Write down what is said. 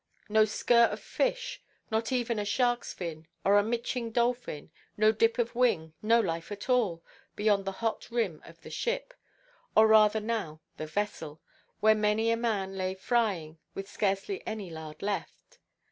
No skir of fish, not even a sharkʼs fin, or a mitching dolphin, no dip of wing, no life at all, beyond the hot rim of the ship, or rather now the "vessel," where many a man lay frying, with scarcely any lard left.